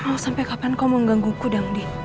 oh sampai kapan kau menggangguku dangdi